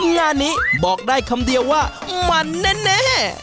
งานนี้บอกได้คำเดียวว่ามันแน่